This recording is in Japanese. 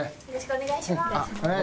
お願いします。